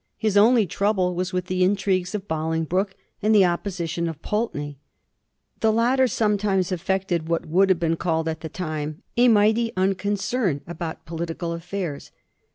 His only trouble was with the intrigues of Bolingbroke and the opposition of Pulteney. The latter sometimes affected what would have been called at the time a ' mighty uncon cern ' about political affairs.